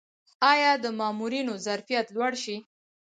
آیا د مامورینو ظرفیت لوړ شوی؟